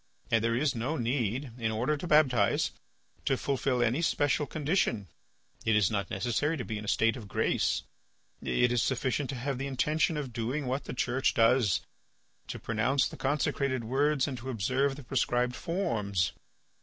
And there is no need, in order to baptize, to fulfil any special condition; it is not necessary to be in a state of grace; it is sufficient to have the intention of doing what the Church does, to pronounce the consecrated words and to observe the prescribed forms.